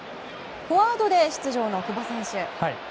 フォワードで出場の久保選手。